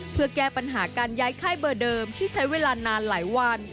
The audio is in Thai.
เพื่อแก้ปัญหาการย้ายค่ายเบอร์เดิมที่ใช้เวลานานหลายวัน